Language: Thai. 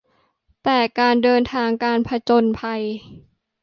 แต่การเดินทางการผจญภัย